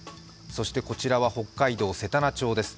そして、こちらは北海道せたな町です。